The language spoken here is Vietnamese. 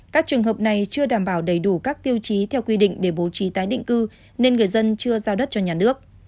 các trường hợp này chưa đảm bảo đầy đủ các tiêu chí theo quy định để bố trí tái định cư nên người dân chưa giao đất cho nhà nước